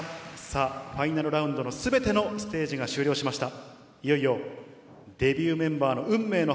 さあ、ファイナルラウンドのすべてのステージが終了しました。